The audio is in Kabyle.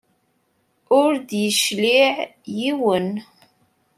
Ur d-yecliɛ yiwen.